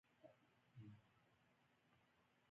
عدالت د قانون د پلي کېدو روح دی.